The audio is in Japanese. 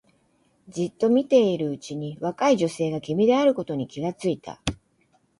じっと見ているうちに若い女性が君であることに気がついた